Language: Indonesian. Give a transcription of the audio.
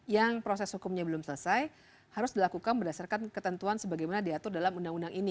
yang proses hukumnya belum selesai harus dilakukan berdasarkan ketentuan sebagaimana diatur dalam undang undang ini